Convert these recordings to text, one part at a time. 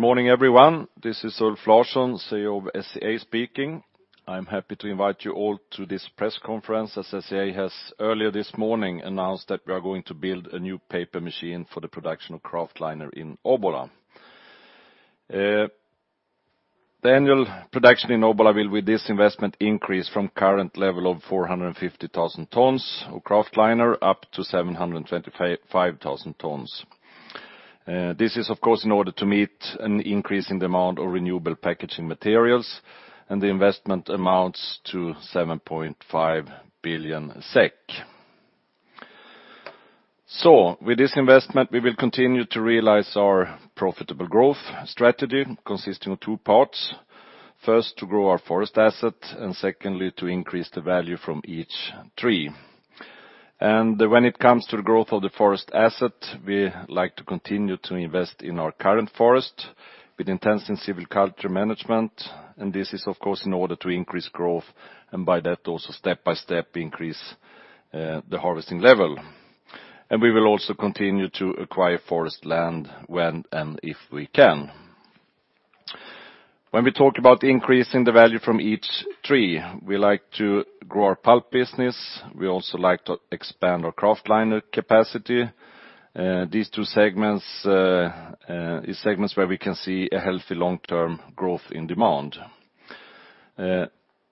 Good morning, everyone. This is Ulf Larsson, CEO of SCA speaking. I'm happy to invite you all to this press conference as SCA has earlier this morning announced that we are going to build a new paper machine for the production of kraftliner in Obbola. The annual production in Obbola will, with this investment, increase from current level of 450,000 tons of kraftliner up to 725,000 tons. This is, of course, in order to meet an increasing demand of renewable packaging materials. The investment amounts to 7.5 billion SEK. With this investment, we will continue to realize our profitable growth strategy consisting of two parts. First, to grow our forest asset, and secondly, to increase the value from each tree. When it comes to the growth of the forest asset, we like to continue to invest in our current forest with intense and silviculture management. This is, of course, in order to increase growth, and by that, also step by step, increase the harvesting level. We will also continue to acquire forest land when and if we can. When we talk about increasing the value from each tree, we like to grow our pulp business. We also like to expand our kraftliner capacity. These two segments is segments where we can see a healthy long-term growth in demand.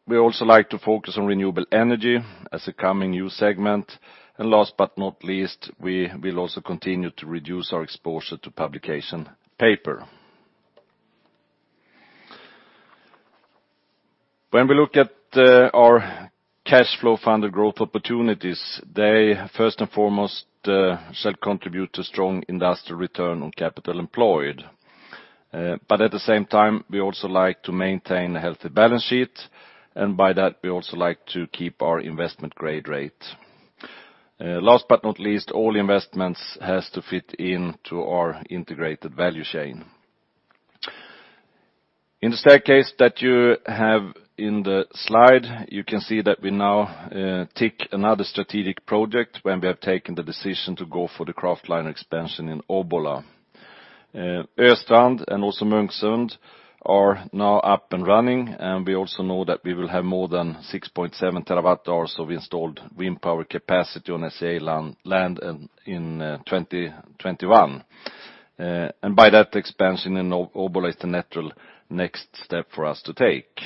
We also like to focus on renewable energy as a coming new segment. Last but not least, we will also continue to reduce our exposure to publication paper. When we look at our cash flow-funded growth opportunities, they first and foremost shall contribute to strong industrial return on capital employed. At the same time, we also like to maintain a healthy balance sheet, and by that, we also like to keep our investment grade rating. Last but not least, all investments have to fit into our integrated value chain. In the staircase that you have in the slide, you can see that we now tick another strategic project when we have taken the decision to go for the kraftliner expansion in Obbola. Östrand and also Munksund are now up and running, and we also know that we will have more than 6.7 terawatt-hours of installed wind power capacity on SCA land in 2021. By that expansion in Obbola is the natural next step for us to take.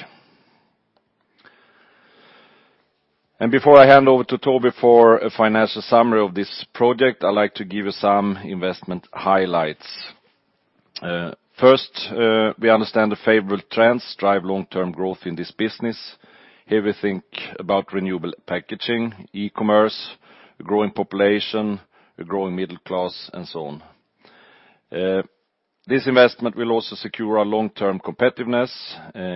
Before I hand over to Toby for a financial summary of this project, I'd like to give you some investment highlights. First, we understand the favorable trends drive long-term growth in this business. Here we think about renewable packaging, e-commerce, growing population, a growing middle class, and so on. This investment will also secure our long-term competitiveness.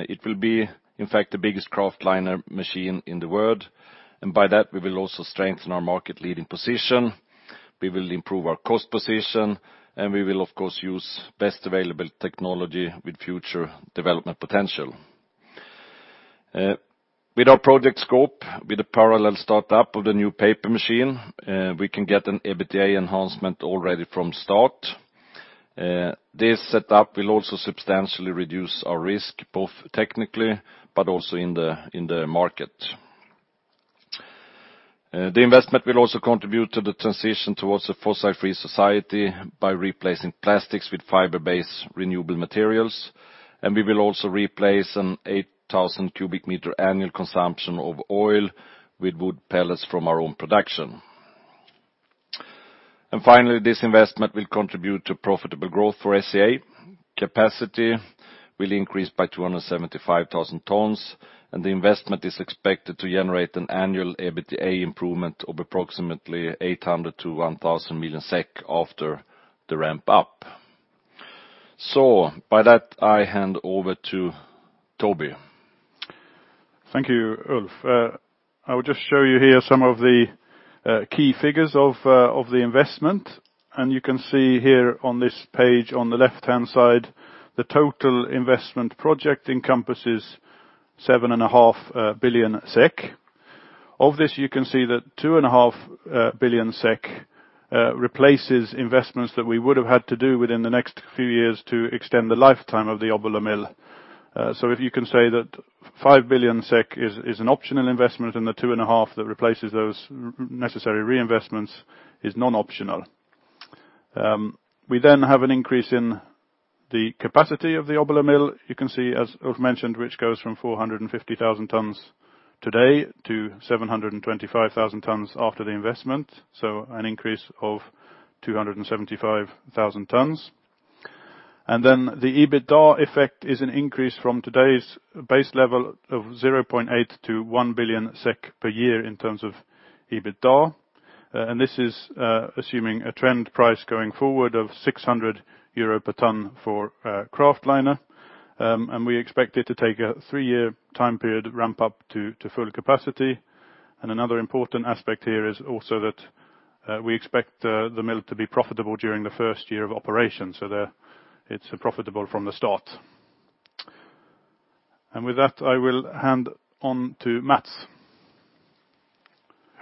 It will be, in fact, the biggest kraftliner machine in the world. By that, we will also strengthen our market leading position, we will improve our cost position, and we will, of course, use best available technology with future development potential. With our project scope, with the parallel startup of the new paper machine, we can get an EBITDA enhancement already from start. This set up will also substantially reduce our risk, both technically, but also in the market. The investment will also contribute to the transition towards a fossil-free society by replacing plastics with fiber-based renewable materials. We will also replace an 8,000 cubic meter annual consumption of oil with wood pellets from our own production. Finally, this investment will contribute to profitable growth for SCA. Capacity will increase by 275,000 tons. The investment is expected to generate an annual EBITDA improvement of approximately 800 million-1,000 million SEK after the ramp up. By that, I hand over to Toby. Thank you, Ulf. I would just show you here some of the key figures of the investment. You can see here on this page, on the left-hand side, the total investment project encompasses 7.5 billion SEK. Of this, you can see that 2.5 billion SEK replaces investments that we would have had to do within the next few years to extend the lifetime of the Obbola mill. If you can say that 5 billion SEK is an optional investment and the 2.5 billion that replaces those necessary reinvestments is non-optional. We have an increase in the capacity of the Obbola mill. You can see, as Ulf mentioned, which goes from 450,000 tons today to 725,000 tons after the investment, so an increase of 275,000 tons. The EBITDA effect is an increase from today's base level of 0.8 billion-1 billion SEK per year in terms of EBITDA. This is assuming a trend price going forward of 600 euro per ton for kraftliner. We expect it to take a three-year time period ramp up to full capacity. Another important aspect here is also that we expect the mill to be profitable during the first year of operation, so that it's profitable from the start. With that, I will hand on to Mats.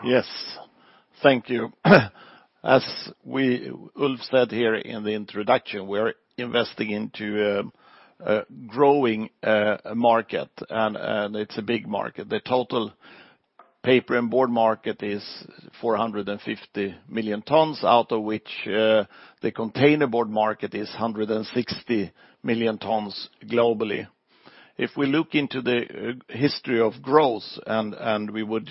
Yes. Thank you. As Ulf said here in the introduction, we're investing into a growing market. It's a big market. The total paper and board market is 450 million tons, out of which the containerboard market is 160 million tons globally. If we look into the history of growth and we would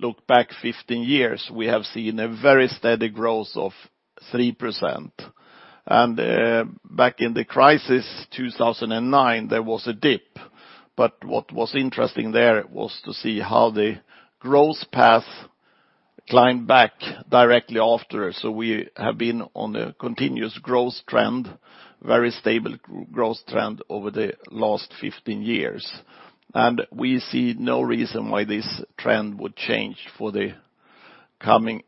look back 15 years, we have seen a very steady growth of 3%. Back in the crisis 2009, there was a dip. What was interesting there was to see how the growth path climbed back directly after. We have been on a continuous growth trend, very stable growth trend over the last 15 years. We see no reason why this trend would change for the coming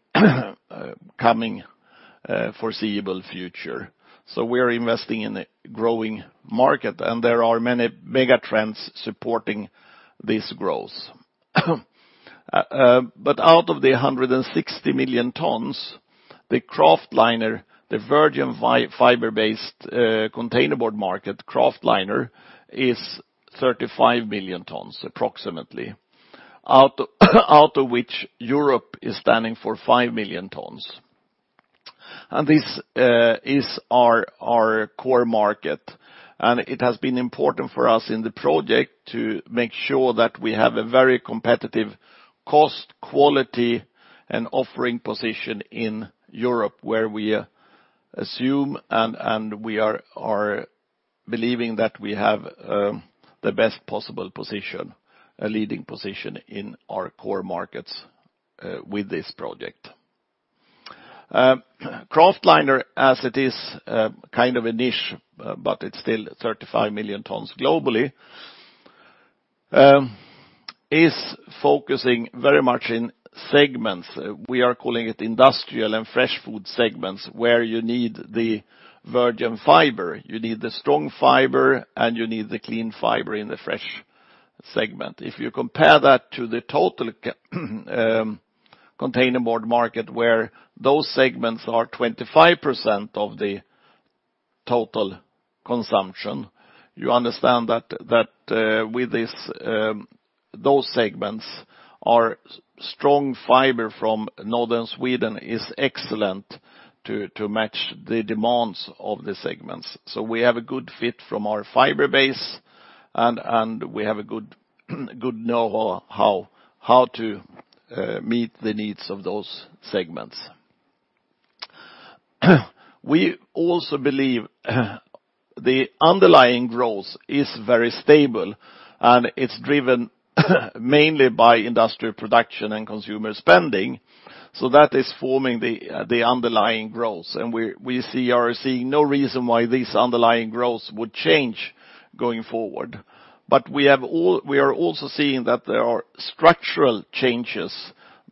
foreseeable future. We're investing in a growing market. There are many mega trends supporting this growth. Out of the 160 million tons, the kraftliner, the virgin fiber-based containerboard market, kraftliner, is 35 million tons approximately, out of which Europe is standing for 5 million tons. This is our core market, and it has been important for us in the project to make sure that we have a very competitive cost, quality, and offering position in Europe, where we assume and we are believing that we have the best possible position, a leading position in our core markets with this project. Kraftliner, as it is kind of a niche, but it's still 35 million tons globally, is focusing very much in segments. We are calling it industrial and fresh food segments, where you need the virgin fiber, you need the strong fiber, and you need the clean fiber in the fresh segment. If you compare that to the total containerboard market where those segments are 25% of the total consumption, you understand that with those segments, our strong fiber from Northern Sweden is excellent to match the demands of the segments. We have a good fit from our fiber base, and we have a good know-how how to meet the needs of those segments. We also believe the underlying growth is very stable, and it's driven mainly by industrial production and consumer spending. That is forming the underlying growth. We are seeing no reason why this underlying growth would change going forward. We are also seeing that there are structural changes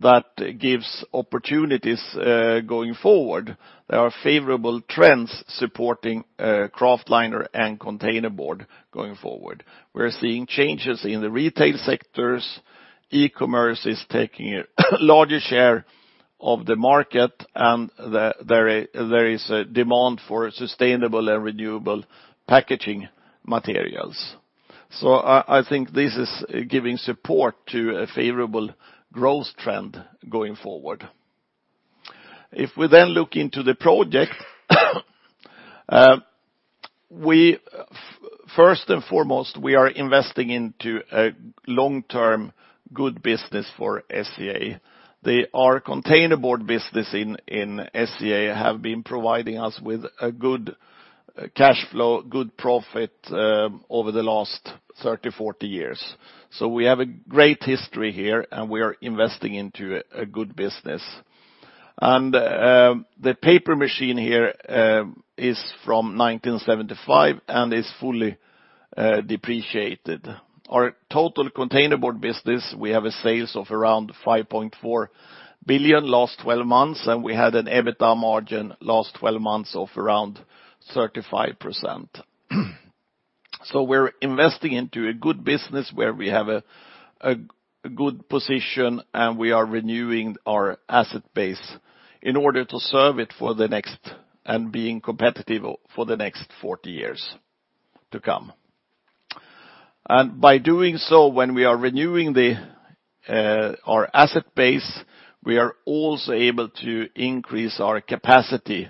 that gives opportunities going forward. There are favorable trends supporting kraftliner and containerboard going forward. We're seeing changes in the retail sectors. E-commerce is taking a larger share of the market, and there is a demand for sustainable and renewable packaging materials. I think this is giving support to a favorable growth trend going forward. If we then look into the project, first and foremost, we are investing into a long-term good business for SCA. The containerboard business in SCA have been providing us with a good cash flow, good profit over the last 30, 40 years. We have a great history here, and we are investing into a good business. The paper machine here is from 1975 and is fully depreciated. Our total containerboard business, we have a sales of around 5.4 billion last 12 months, and we had an EBITDA margin last 12 months of around 35%. We're investing into a good business where we have a good position, and we are renewing our asset base in order to serve it and being competitive for the next 40 years to come. By doing so, when we are renewing our asset base, we are also able to increase our capacity,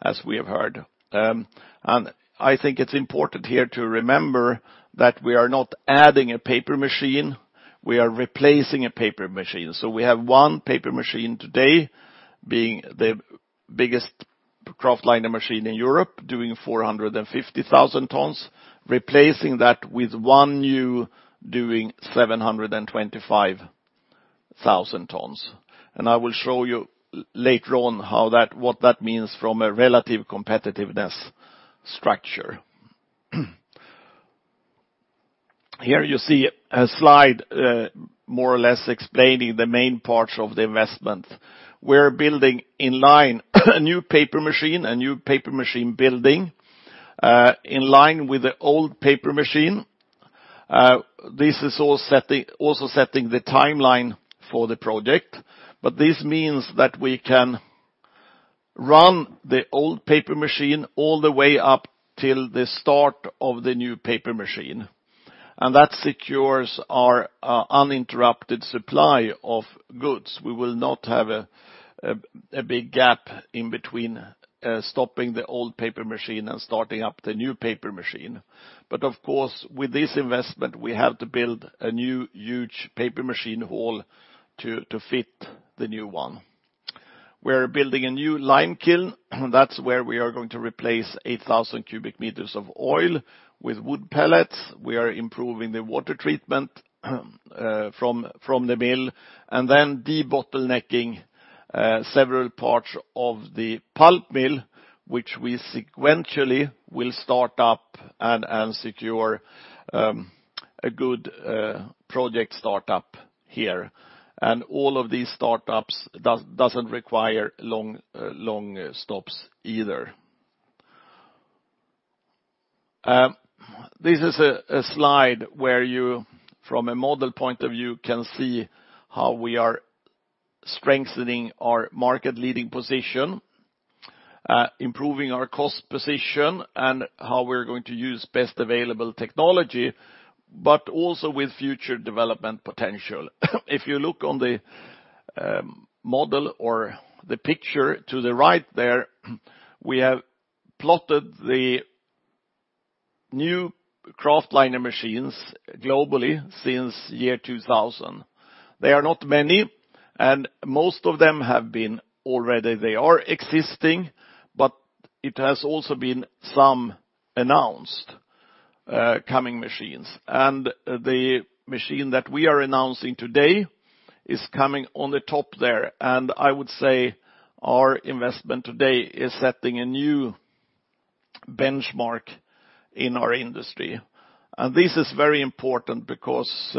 as we have heard. I think it's important here to remember that we are not adding a paper machine, we are replacing a paper machine. We have one paper machine today, being the biggest kraftliner machine in Europe, doing 450,000 tons, replacing that with one new doing 725,000 tons. I will show you later on what that means from a relative competitiveness structure. Here you see a slide. More or less explaining the main parts of the investment. We're building in line, a new paper machine, a new paper machine building, in line with the old paper machine. This is also setting the timeline for the project. This means that we can run the old paper machine all the way up till the start of the new paper machine, and that secures our uninterrupted supply of goods. We will not have a big gap in between stopping the old paper machine and starting up the new paper machine. Of course, with this investment, we have to build a new huge paper machine hall to fit the new one. We're building a new lime kiln. That's where we are going to replace 8,000 cubic meters of oil with wood pellets. We are improving the water treatment from the mill, and then debottlenecking several parts of the pulp mill, which we sequentially will start up and secure a good project start-up here. All of these start-ups doesn't require long stops either. This is a slide where you, from a model point of view, can see how we are strengthening our market leading position, improving our cost position, and how we're going to use best available technology, but also with future development potential. If you look on the model or the picture to the right there, we have plotted the new kraftliner machines globally since year 2000. They are not many, and most of them have been already, they are existing, but it has also been some announced coming machines. The machine that we are announcing today is coming on the top there. I would say our investment today is setting a new benchmark in our industry. This is very important because,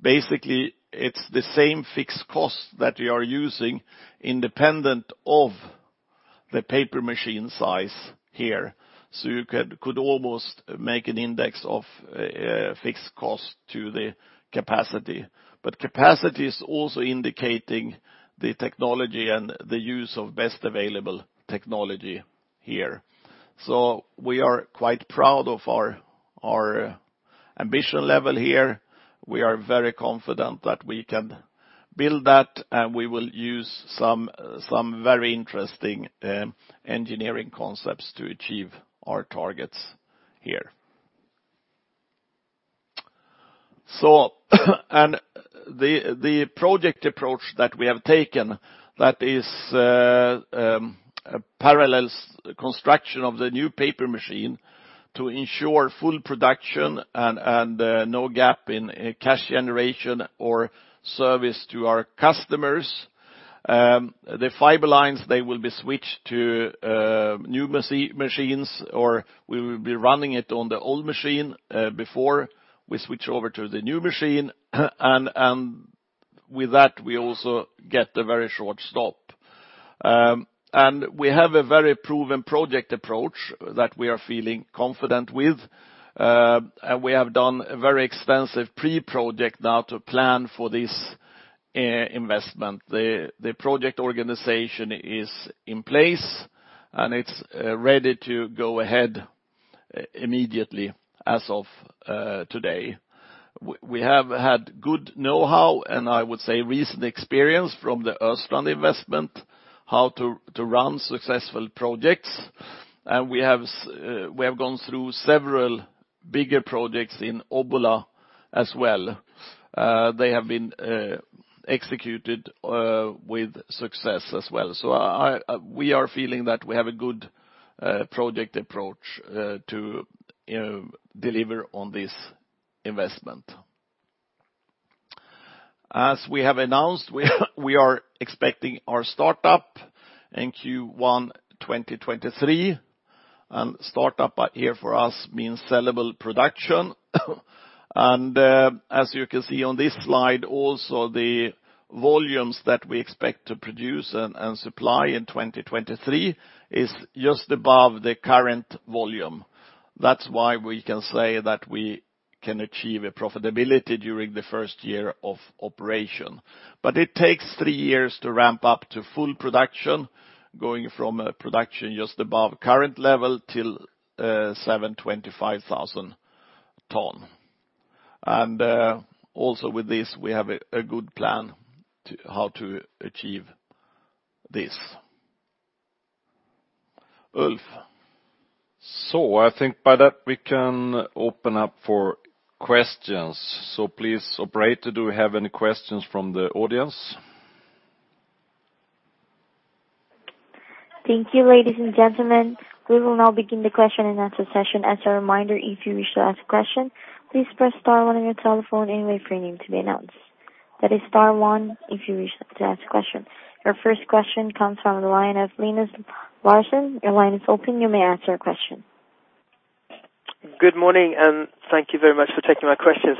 basically, it's the same fixed cost that we are using independent of the paper machine size here. You could almost make an index of fixed cost to the capacity, but capacity is also indicating the technology and the use of best available technology here. We are quite proud of our ambition level here. We are very confident that we can build that, and we will use some very interesting engineering concepts to achieve our targets here. The project approach that we have taken that is parallels construction of the new paper machine to ensure full production and no gap in cash generation or service to our customers. The fiber lines, they will be switched to new machines, or we will be running it on the old machine, before we switch over to the new machine. With that, we also get a very short stop. We have a very proven project approach that we are feeling confident with. We have done a very extensive pre-project now to plan for this investment. The project organization is in place, and it's ready to go ahead immediately as of today. We have had good know-how, and I would say recent experience from the Östrand investment, how to run successful projects. We have gone through several bigger projects in Obbola as well. They have been executed with success as well. We are feeling that we have a good project approach to deliver on this investment. As we have announced, we are expecting our start-up in Q1 2023, and start-up here for us means sellable production. As you can see on this slide also, the volumes that we expect to produce and supply in 2023 is just above the current volume. That's why we can say that we can achieve a profitability during the first year of operation. It takes three years to ramp up to full production, going from a production just above current level till 725,000 tons. Also with this, we have a good plan how to achieve this. Ulf? I think by that we can open up for questions. Please, operator, do we have any questions from the audience? Thank you, ladies and gentlemen. We will now begin the question-and-answer session. As a reminder, if you wish to ask a question, please press star one on your telephone and wait for your name to be announced. That is star one if you wish to ask a question. Your first question comes from the line of Linus Larsson. Your line is open. You may ask your question. Good morning, and thank you very much for taking my questions.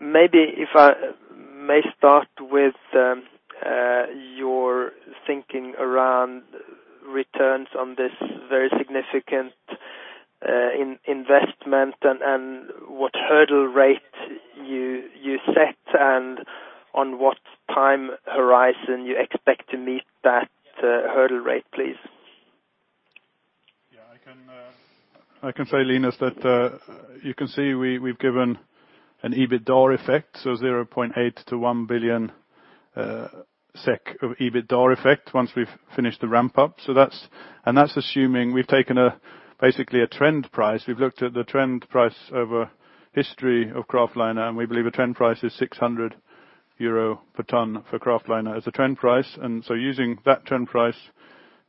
Maybe if I may start with your thinking around returns on this very significant investment and what hurdle rate you set and on what time horizon you expect to meet that hurdle rate, please. Yeah, I can say, Linus, that you can see we've given an EBITDAR effect, so 0.8 to 1 billion SEK of EBITDAR effect once we've finished the ramp-up. That's assuming we've taken basically a trend price. We've looked at the trend price over the history of kraftliner, and we believe a trend price is 600 euro per ton for kraftliner as a trend price. Using that trend price,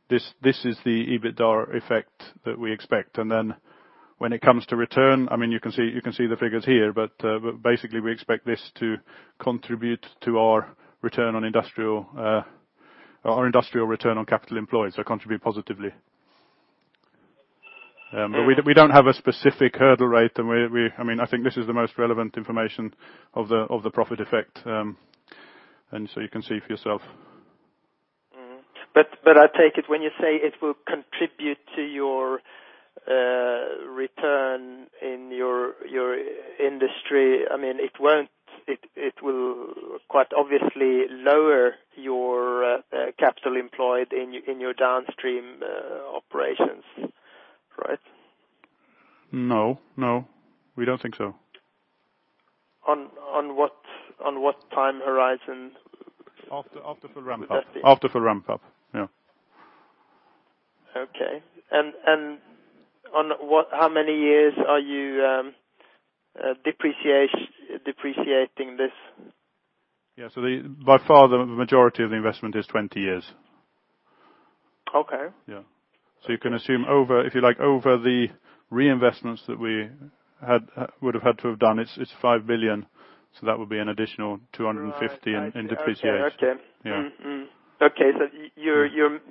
this is the EBITDAR effect that we expect. When it comes to return, you can see the figures here, but basically we expect this to contribute to our industrial return on capital employed, so contribute positively. We don't have a specific hurdle rate, and I think this is the most relevant information of the profit effect. You can see for yourself. Mm-hmm. I take it when you say it will contribute to your return in your industry, it will quite obviously lower your capital employed in your downstream operations, right? No, we don't think so. On what time horizon? After the ramp-up. After the ramp-up, yeah. Okay. On how many years are you depreciating this? Yeah. By far, the majority of the investment is 20 years. Okay. Yeah. You can assume, if you like, over the reinvestments that we would have had to have done, it is 5 billion, that would be an additional 250 in depreciation. Okay. Yeah. Okay.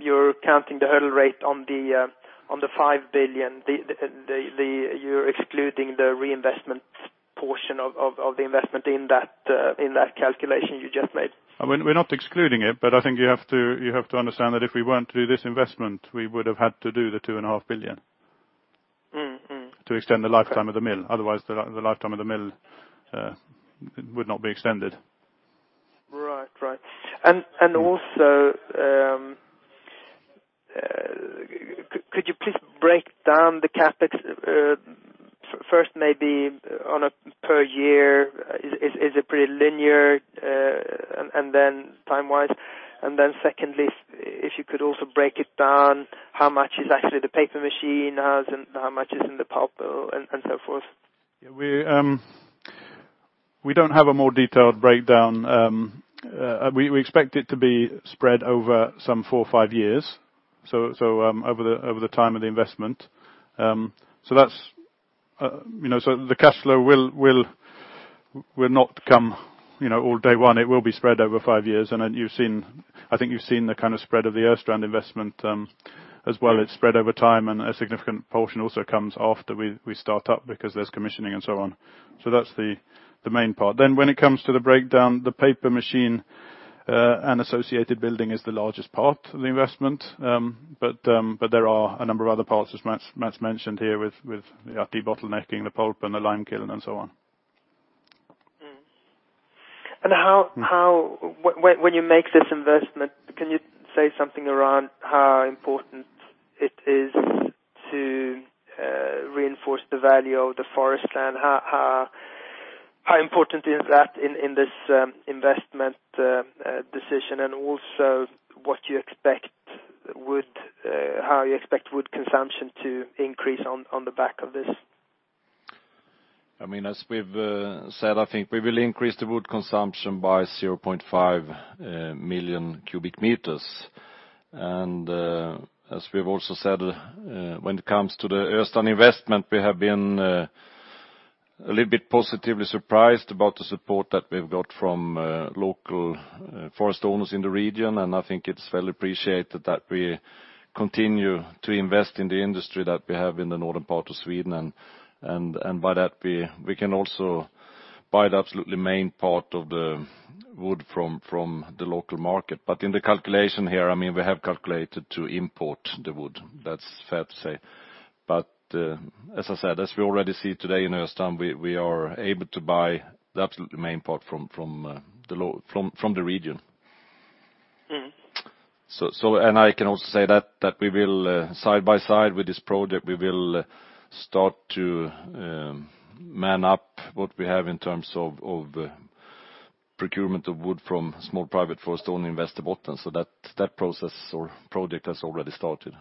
You're counting the hurdle rate on the 5 billion. You're excluding the reinvestment portion of the investment in that calculation you just made. We're not excluding it, but I think you have to understand that if we weren't to do this investment, we would have had to do the two and a half billion- to extend the lifetime of the mill. Otherwise, the lifetime of the mill would not be extended. Right. Also, could you please break down the CapEx first, maybe on a per year? Is it pretty linear time-wise? Then secondly, if you could also break it down, how much is actually the paper machine, how much is in the pulp, and so forth? We don't have a more detailed breakdown. We expect it to be spread over some four or five years, so over the time of the investment. The cash flow will not come all day one. It will be spread over five years. I think you've seen the kind of spread of the Östrand investment as well. It's spread over time, and a significant portion also comes after we start up because there's commissioning and so on. That's the main part. When it comes to the breakdown, the paper machine and associated building is the largest part of the investment. There are a number of other parts, as Mats mentioned here, with the debottlenecking, the pulp and the lime kiln and so on. When you make this investment, can you say something around how important it is to reinforce the value of the forest land? How important is that in this investment decision? And also how you expect wood consumption to increase on the back of this? As we've said, I think we will increase the wood consumption by 0.5 million cubic meters. As we've also said, when it comes to the Östrand investment, we have been a little bit positively surprised about the support that we've got from local forest owners in the region. I think it's well appreciated that we continue to invest in the industry that we have in the northern part of Sweden. By that, we can also buy the absolute main part of the wood from the local market. In the calculation here, we have calculated to import the wood. That's fair to say. As I said, as we already see today in Östrand, we are able to buy the absolute main part from the region. I can also say that we will side by side with this project, we will start to man up what we have in terms of procurement of wood from small private forest owners in Västerbotten. That process or project has already started.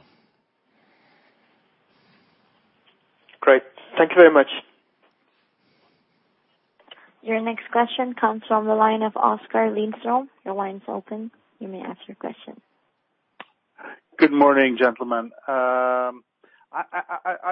Great. Thank you very much. Your next question comes from the line of Oskar Lindström. Your line's open. You may ask your question. Good morning, gentlemen. I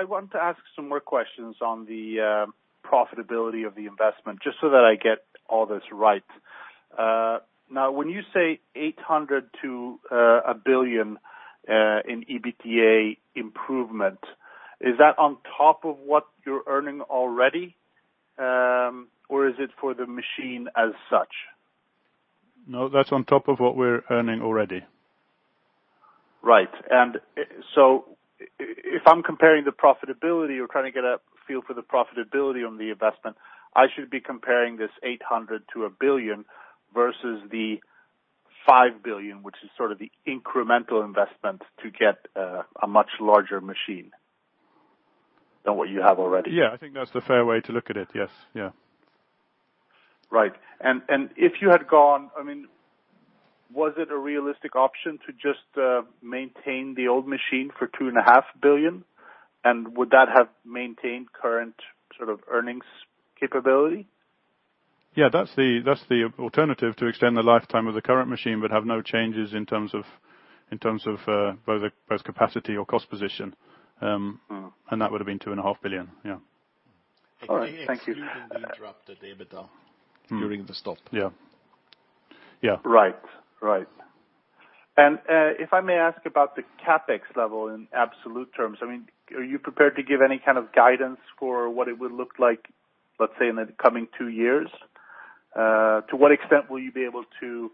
want to ask some more questions on the profitability of the investment, just so that I get all this right. When you say 800 to 1 billion in EBITDA improvement, is that on top of what you're earning already? Or is it for the machine as such? No, that's on top of what we're earning already. Right. If I'm comparing the profitability or trying to get a feel for the profitability on the investment, I should be comparing this 800 to 1 billion versus the 5 billion, which is sort of the incremental investment to get a much larger machine than what you have already? Yeah, I think that's the fair way to look at it. Yes. Right. Was it a realistic option to just maintain the old machine for two and a half billion? Would that have maintained current sort of earnings capability? That's the alternative, to extend the lifetime of the current machine, but have no changes in terms of both capacity or cost position. That would've been two and a half billion. Yeah. All right, thank you. Excluding the interrupted EBITDA during the stop. Yeah. Right. If I may ask about the CapEx level in absolute terms. Are you prepared to give any kind of guidance for what it would look like, let's say, in the coming two years? To what extent will you be able to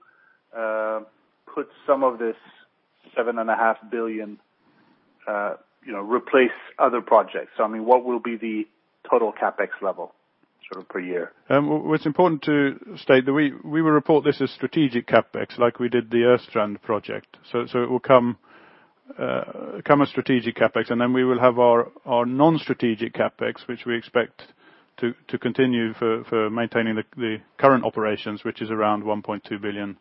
put some of this seven and a half billion, replace other projects? What will be the total CapEx level per year? What's important to state, that we will report this as strategic CapEx, like we did the Östrand project. It will come as strategic CapEx, and then we will have our non-strategic CapEx, which we expect to continue for maintaining the current operations, which is around 1.2 billion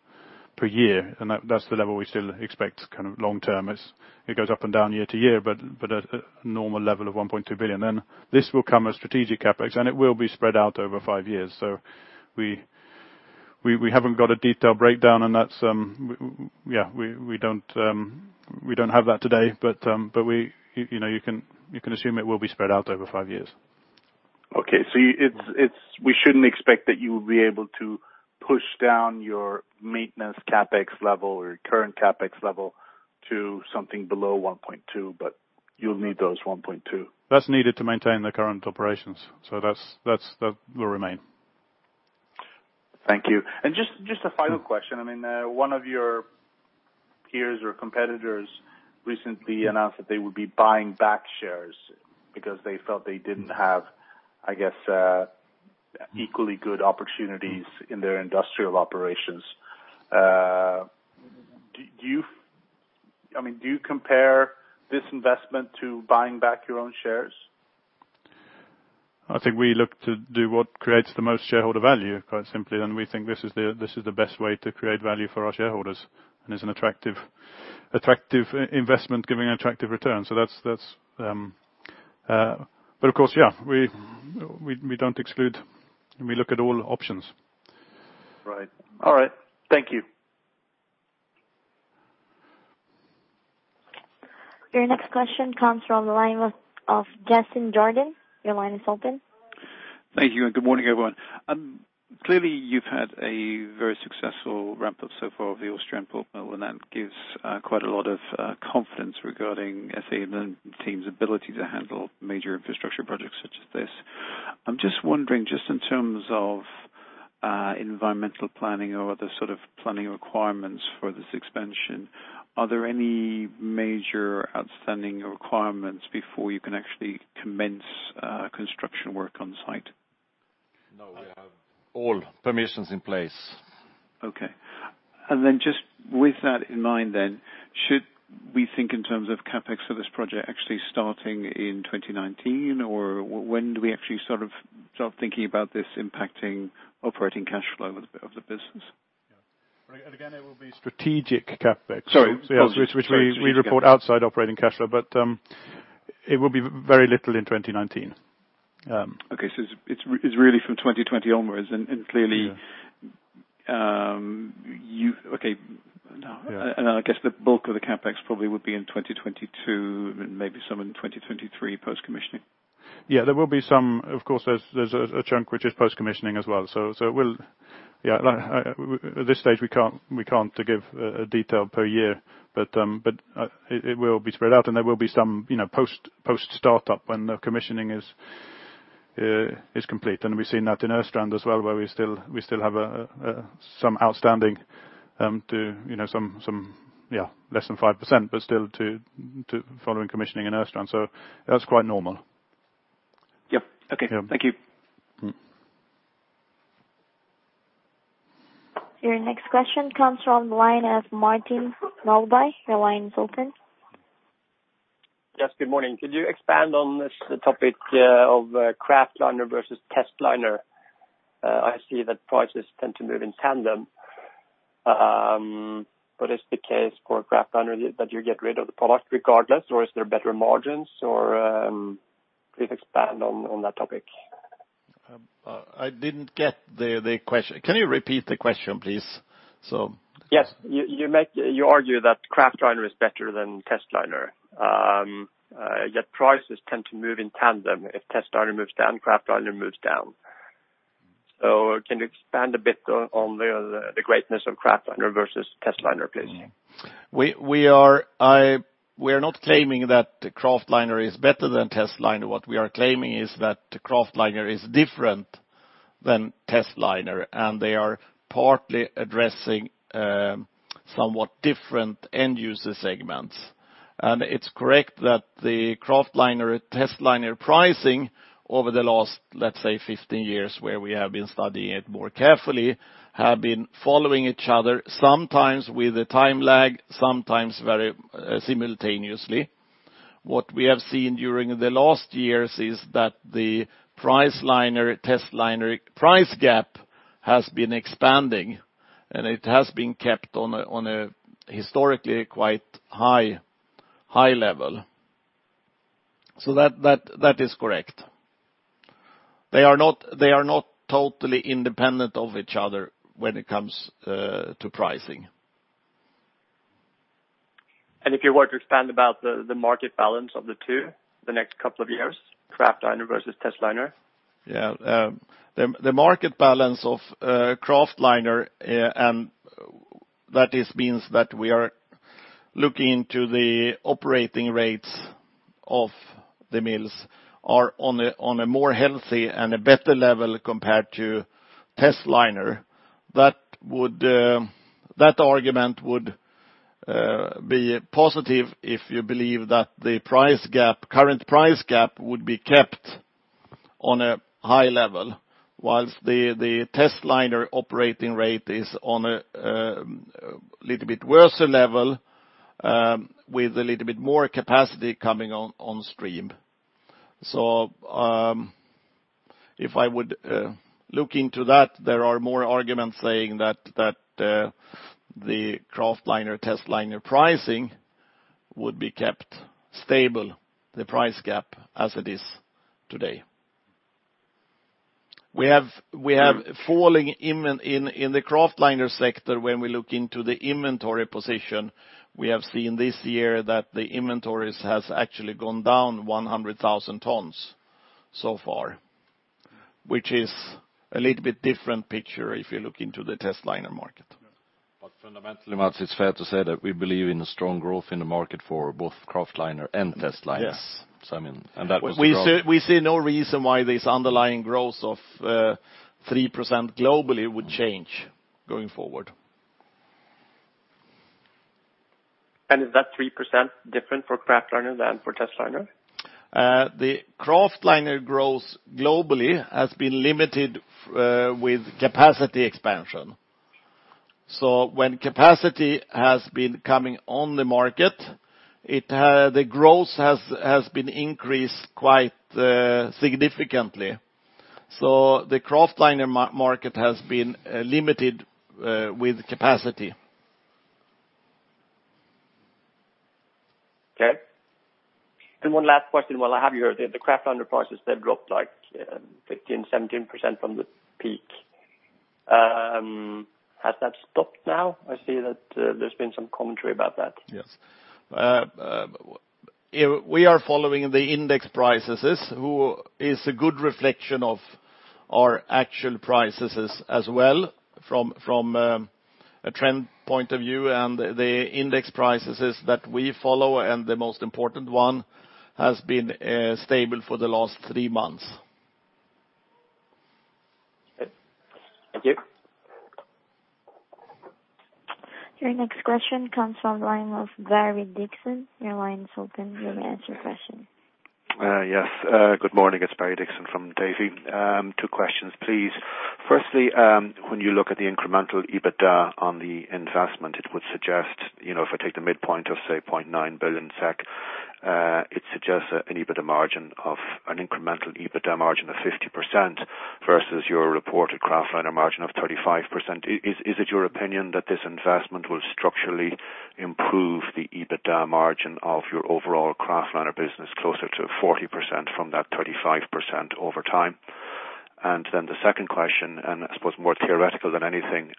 per year. That's the level we still expect long-term. It goes up and down year to year, at a normal level of 1.2 billion. This will come as strategic CapEx, and it will be spread out over five years. We haven't got a detailed breakdown on that. We don't have that today, but you can assume it will be spread out over five years. Okay. We shouldn't expect that you will be able to push down your maintenance CapEx level or your current CapEx level to something below 1.2, but you'll need those 1.2. That's needed to maintain the current operations. That will remain. Thank you. Just a final question. One of your peers or competitors recently announced that they would be buying back shares because they felt they didn't have, I guess, equally good opportunities in their industrial operations. Do you compare this investment to buying back your own shares? I think we look to do what creates the most shareholder value, quite simply, we think this is the best way to create value for our shareholders, and is an attractive investment giving attractive returns. Of course, yeah, we don't exclude, we look at all options. Right. All right. Thank you. Your next question comes from the line of Justin Jordan. Your line is open. Thank you. Good morning, everyone. Clearly you've had a very successful ramp-up so far of the Östrand pulp mill. That gives quite a lot of confidence regarding, I'd say, the team's ability to handle major infrastructure projects such as this. I'm just wondering, just in terms of environmental planning or other sort of planning requirements for this expansion, are there any major outstanding requirements before you can actually commence construction work on site? No, we have all permissions in place. Okay. Just with that in mind then, should we think in terms of CapEx for this project actually starting in 2019? When do we actually start thinking about this impacting operating cash flow of the business? Again, it will be strategic CapEx. Sorry. Which we report outside operating cash flow, but it will be very little in 2019. Okay. It's really from 2020 onwards, and clearly- Yeah. Okay. I guess the bulk of the CapEx probably would be in 2022, and maybe some in 2023 post-commissioning. Yeah, there will be some. Of course, there's a chunk which is post-commissioning as well. It will be spread out, and there will be some post-startup when the commissioning is complete. We've seen that in Östrand as well, where we still have some outstanding, less than 5%, but still following commissioning in Östrand. That's quite normal. Yep. Okay. Yeah. Thank you. Your next question comes from the line of Martin Melbye. Your line is open. Yes, good morning. Could you expand on this topic of kraftliner versus testliner? Is the case for kraftliner that you get rid of the product regardless, or is there better margins? Please expand on that topic. I didn't get the question. Can you repeat the question, please? Yes. You argue that kraftliner is better than testliner, yet prices tend to move in tandem. If testliner moves down, kraftliner moves down. Can you expand a bit on the greatness of kraftliner versus testliner, please? We are not claiming that kraftliner is better than testliner. What we are claiming is that kraftliner is different than testliner, and they are partly addressing somewhat different end user segments. It's correct that the kraftliner, testliner pricing over the last, let's say, 15 years, where we have been studying it more carefully, have been following each other, sometimes with a time lag, sometimes very simultaneously. What we have seen during the last years is that the testliner price gap has been expanding, and it has been kept on a historically quite high level. That is correct. They are not totally independent of each other when it comes to pricing. If you were to expand about the market balance of the two the next couple of years, kraftliner versus testliner? The market balance of kraftliner, and that just means that we are looking into the operating rates of the mills, are on a more healthy and a better level compared to testliner. That argument would be positive if you believe that the current price gap would be kept on a high level whilst the testliner operating rate is on a little bit worse level, with a little bit more capacity coming on stream. If I would look into that, there are more arguments saying that the kraftliner, testliner pricing would be kept stable, the price gap as it is today. We have falling in the kraftliner sector, when we look into the inventory position, we have seen this year that the inventories has actually gone down 100,000 tons so far, which is a little bit different picture if you look into the testliner market. Fundamentally, Mats, it's fair to say that we believe in a strong growth in the market for both kraftliner and testliner. Yes. I mean. We see no reason why this underlying growth of 3% globally would change going forward. Is that 3% different for kraftliner than for testliner? The kraftliner growth globally has been limited with capacity expansion. When capacity has been coming on the market, the growth has been increased quite significantly. The kraftliner market has been limited with capacity. Okay. One last question while I have you here. The kraftliner prices, they've dropped like 15, 17% from the peak. Has that stopped now? I see that there's been some commentary about that. Yes. We are following the index prices, who is a good reflection of our actual prices as well from a trend point of view, and the index prices that we follow, and the most important one, has been stable for the last three months. Okay. Thank you. Your next question comes from the line of Barry Dixon. Your line is open. You may ask your question. Yes. Good morning. It's Barry Dixon from Davy. Two questions, please. Firstly, when you look at the incremental EBITDA on the investment, it would suggest, if I take the midpoint of, say, 0.9 billion SEK, it suggests an incremental EBITDA margin of 50% versus your reported kraftliner margin of 35%. Is it your opinion that this investment will structurally improve the EBITDA margin of your overall kraftliner business closer to 40% from that 35% over time? The second question, and I suppose more theoretical than anything,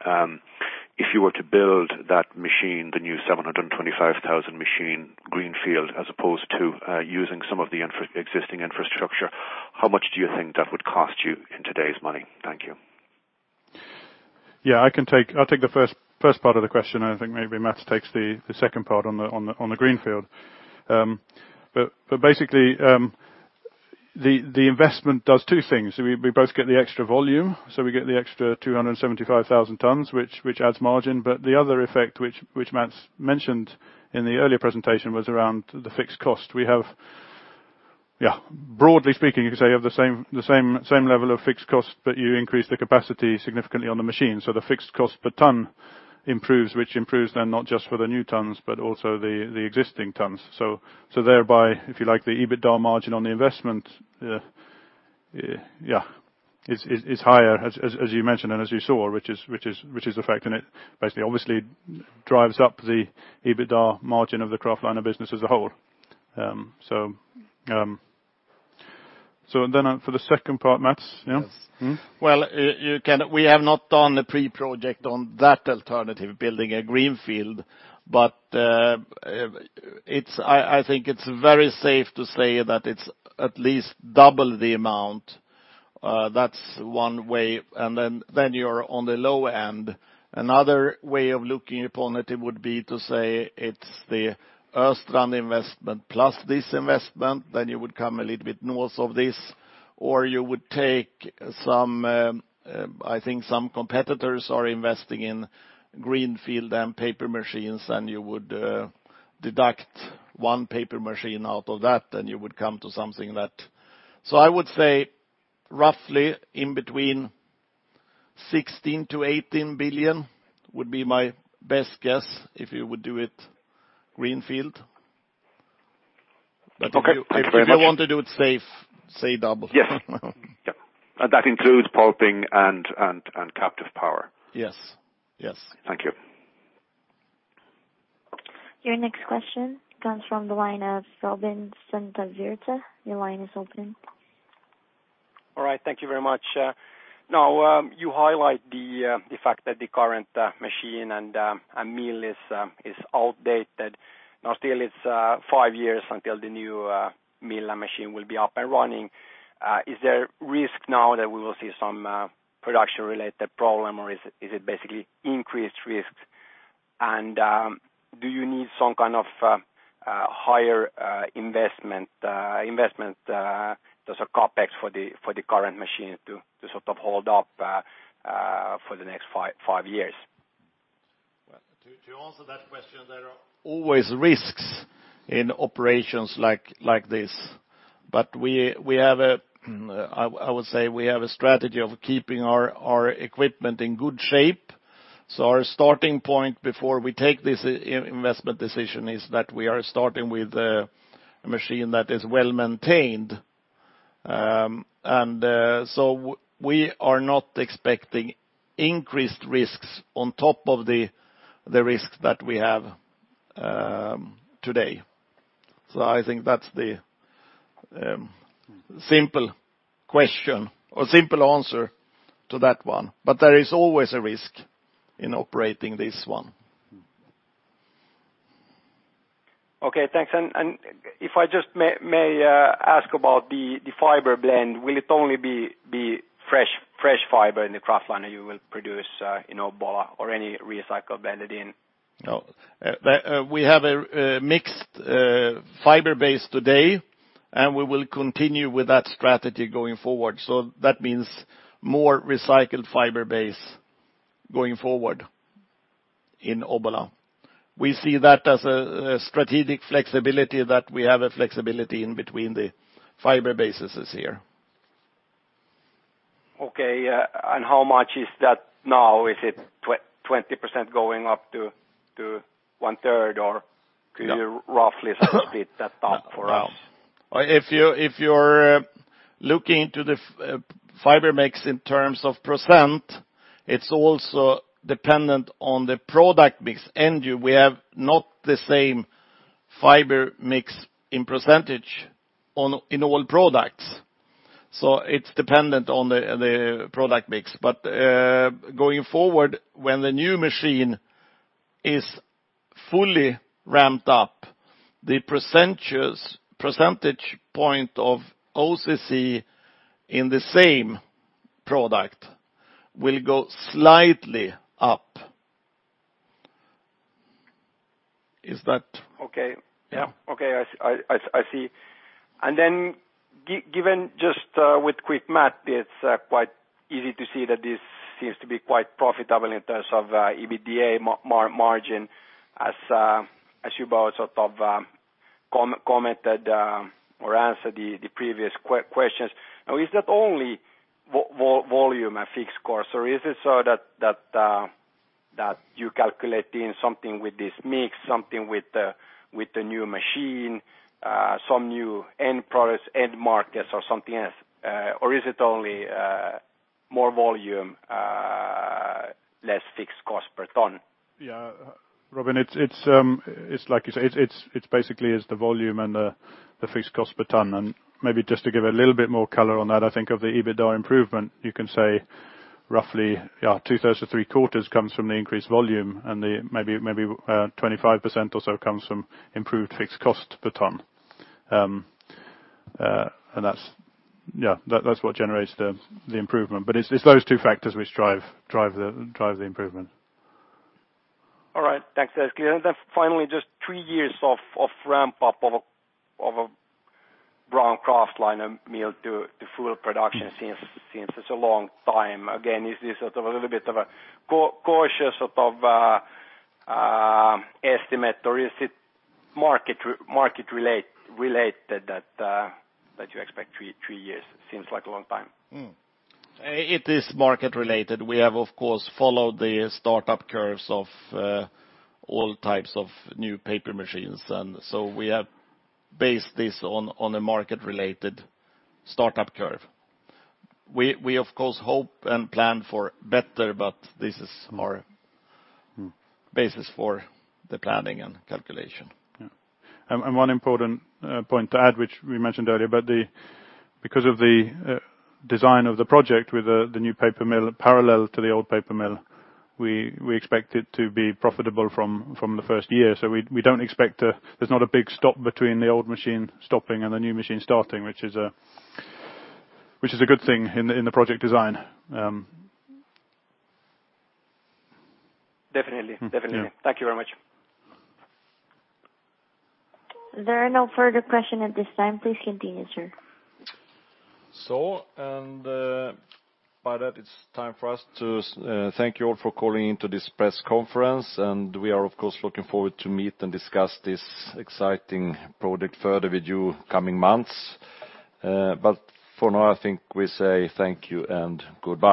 if you were to build that machine, the new 725,000 machine greenfield, as opposed to using some of the existing infrastructure, how much do you think that would cost you in today's money? Thank you. Yeah, I'll take the first part of the question, and I think maybe Mats takes the second part on the greenfield. Basically, the investment does two things. We both get the extra volume, we get the extra 275,000 tons, which adds margin. The other effect, which Mats mentioned in the earlier presentation, was around the fixed cost. Broadly speaking, you could say you have the same level of fixed cost, but you increase the capacity significantly on the machine. The fixed cost per ton improves, which improves then not just for the new tons, but also the existing tons. Thereby, if you like, the EBITDA margin on the investment, yeah, is higher as you mentioned and as you saw, which is affecting it, basically, obviously drives up the EBITDA margin of the kraftliner business as a whole. Then for the second part, Mats? Yeah. Yes. Well, we have not done a pre-project on that alternative building a greenfield, but I think it's very safe to say that it's at least double the amount. That's one way, and then you're on the low end. Another way of looking upon it would be to say it's the Östrand investment plus this investment, then you would come a little bit north of this, or you would take some, I think some competitors are investing in greenfield and paper machines, and you would deduct one paper machine out of that, and you would come to something that I would say roughly in between 16 billion-18 billion would be my best guess if you would do it greenfield. Okay. Thank you very much. If you want to do it safe, say double. Yes. That includes pulping and captive power. Yes. Thank you. Your next question comes from the line of Robin Santavirta, your line is open. All right. Thank you very much. You highlight the fact that the current machine and mill is outdated. Still it's 5 years until the new mill machine will be up and running. Is there risk now that we will see some production-related problem, or is it basically increased risks? Do you need some kind of higher investment, there's a CapEx for the current machine to sort of hold up for the next 5 years? To answer that question, there are always risks in operations like this. I would say we have a strategy of keeping our equipment in good shape. Our starting point before we take this investment decision is that we are starting with a machine that is well-maintained. We are not expecting increased risks on top of the risks that we have today. I think that's the simple question or simple answer to that one. There is always a risk in operating this one. Okay, thanks. If I just may ask about the fiber blend, will it only be fresh fiber in the kraftliner you will produce in Obbola or any recycle blended in? No. We have a mixed fiber base today. We will continue with that strategy going forward. That means more recycled fiber base going forward in Obbola. We see that as a strategic flexibility, that we have a flexibility in between the fiber bases here. Okay. How much is that now? Is it 20% going up to one-third, or could you roughly sort of beat that up for us? If you're looking into the fiber mix in terms of %, it's also dependent on the product mix. We have not the same fiber mix in % in all products. It's dependent on the product mix. Going forward, when the new machine is fully ramped up, the percentage point of OCC in the same product will go slightly up. Is that? Okay. Yeah. Okay, I see. Given just with quick math, it's quite easy to see that this seems to be quite profitable in terms of EBITDA margin, as you both sort of commented or answered the previous questions. Is that only volume a fixed cost, or is it so that you calculate in something with this mix, something with the new machine, some new end products, end markets, or something else? Is it only more volume, less fixed cost per ton? Yeah. Robin, it's basically is the volume and the fixed cost per ton. Maybe just to give a little bit more color on that, I think of the EBITDA improvement, you can say roughly two-thirds to three-quarters comes from the increased volume, and maybe 25% or so comes from improved fixed cost per ton. That's what generates the improvement. It's those two factors which drive the improvement. All right. Thanks. That's clear. Finally, just three years of ramp-up of a brown kraftliner mill to full production seems it's a long time. Again, is this sort of a little bit of a cautious sort of estimate, or is it market-related that you expect three years? It seems like a long time. It is market-related. We have, of course, followed the startup curves of all types of new paper machines. We have based this on a market-related startup curve. We, of course, hope and plan for better, but this is our basis for the planning and calculation. Yeah. One important point to add, which we mentioned earlier, but because of the design of the project with the new paper mill parallel to the old paper mill, we expect it to be profitable from the first year. There's not a big stop between the old machine stopping and the new machine starting, which is a good thing in the project design. Definitely. Yeah. Thank you very much. There are no further question at this time. Please continue, sir. By that, it's time for us to thank you all for calling in to this press conference, and we are, of course, looking forward to meet and discuss this exciting project further with you coming months. For now, I think we say thank you and goodbye.